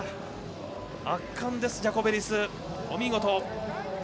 圧巻です、ジャコベリスお見事！